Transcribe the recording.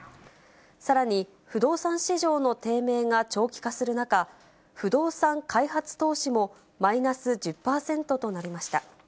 さらに、不動産市場の低迷が長期化する中、不動産開発投資もマイナス１０％となりました。